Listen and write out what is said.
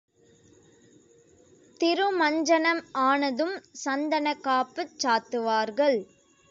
திருமஞ்சனம் ஆனதும் சந்தனக்காப்புச் சாத்துவார்கள்.